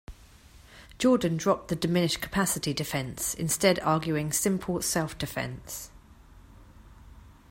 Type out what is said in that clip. Jordan dropped the "diminished capacity" defense, instead arguing simple self-defense.